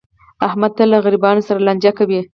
احمد تل له غریبانو سره لانجه کوي.